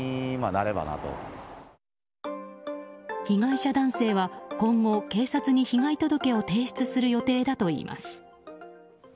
被害者男性は今後、警察に被害届を提出する予定だといいます。